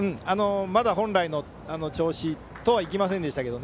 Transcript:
まだ本来の調子とはいきませんでしたけど